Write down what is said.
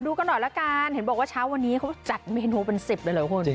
ดูกันหน่อยแล้วกันเห็นบอกว่าเช้าวันนี้เขาจัดเมนูเป็นสิบเลยหรือครับคุณ